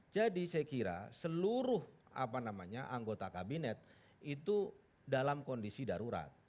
jadi saya kira seluruh anggota kabinet itu dalam kondisi darurat